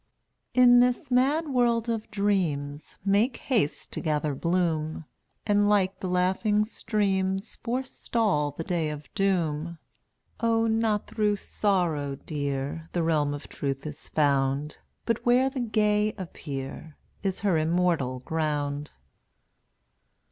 206 In this mad world of dreams Make haste to gather bloom, And like the laughing streams Forestall the day of doom. Oh, not through sorrow, Dear, The realm of Truth is found, But where the gay appear Is her immortal ground.